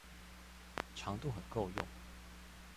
長度很夠用